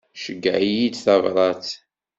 Ceyyeɛ-iyi-d tabrat.